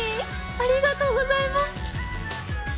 ありがとうございます！